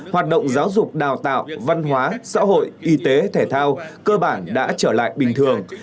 hoạt động giáo dục đào tạo văn hóa xã hội y tế thể thao cơ bản đã trở lại bình thường